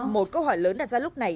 một câu hỏi lớn đặt ra lúc này